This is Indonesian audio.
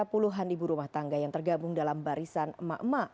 puluhan ibu rumah tangga yang tergabung dalam barisan emak emak